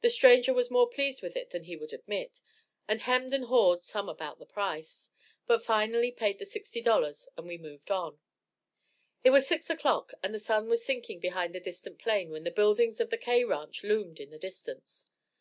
The stranger was more pleased with it than he would admit, and hemmed and hawed some about the price, but finally paid the $60, and we moved on. It was six o'clock, and the sun was sinking behind the distant plain when the buildings of the K ranch loomed in the distance.